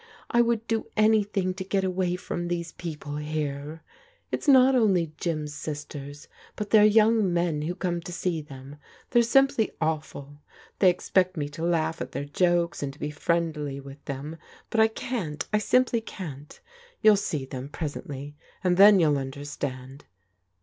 I would do anything to get away from these people here. It's not only Jim's sisters, but their young men who come to see them: — ^they're simply aw ful. They expect me to laugh at their jokes and to be friendly with them; but I can't — I simply can't You'll see them presently, and then you'll understand.